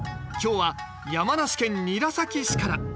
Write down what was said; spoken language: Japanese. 今日は山梨県韮崎市から。